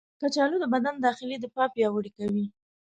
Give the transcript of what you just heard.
کچالو د بدن داخلي دفاع پیاوړې کوي.